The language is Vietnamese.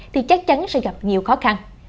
thì chắc chắn sẽ gặp nhiều khó khăn